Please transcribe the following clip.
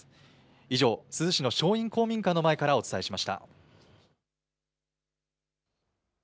以上、珠洲市の正院公民館の前からお伝えしました。